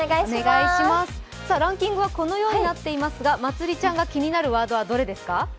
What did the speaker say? ランキングはこのようになっていますが、まつりちゃんが気になるワードはどれですか？